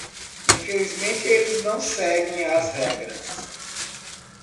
Infelizmente eles não seguem as regras.